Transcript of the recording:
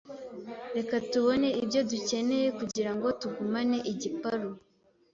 Reka tubone ibyo dukeneye kugirango tugumane igiparu.